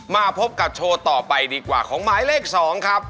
มาพบกับโชว์ต่อไปดีกว่าของหมายเลข๒ครับ